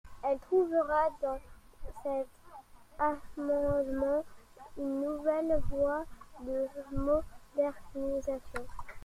Elle trouvera dans cet amendement une nouvelle voie de modernisation.